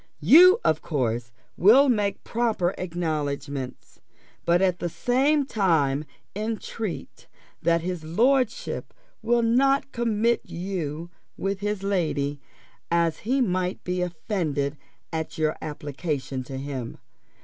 You of course will make proper acknowledgments; but at the same time entreat that his lordship will not commit you with his lady, as she might be offended at your application to him.